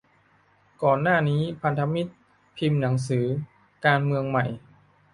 ก่อนหน้านี้ พันธมิตรพิมพ์หนังสือ 'การเมืองใหม่